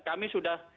kami sudah sebutkan